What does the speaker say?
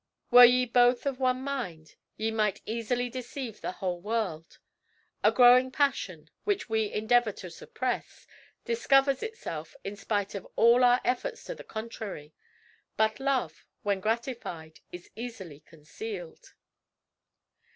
Were ye both of one mind, ye might easily deceive the whole world. A growing passion, which we endeavor to suppress, discovers itself in spite of all our efforts to the contrary; but love, when gratified, is easily concealed."